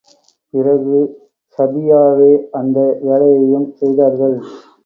பிறகு ஸபிய்யாவே அந்த வேலையையும் செய்தார்கள்.